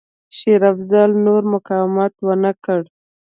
شېر افضل نور مقاومت ونه کړ.